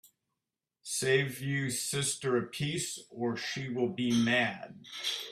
Save you sister a piece, or she will be mad.